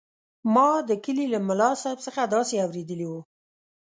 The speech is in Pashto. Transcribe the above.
ما د کلي له ملاصاحب څخه داسې اورېدلي وو.